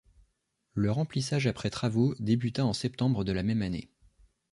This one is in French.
Le remplissage après travaux débuta en septembre de la même année.